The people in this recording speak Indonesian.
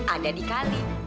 ada di kali